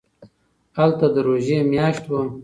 هلته د روژې میاشت وه.